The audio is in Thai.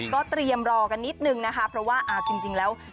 ก็เตรียมรอกันนิดนึงนะคะเพราะว่าจริงแล้ว